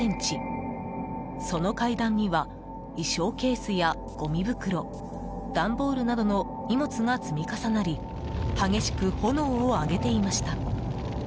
その階段には衣装ケースやごみ袋段ボールなどの荷物が積み重なり激しく炎を上げていました。